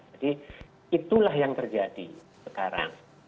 jadi itulah yang terjadi sekarang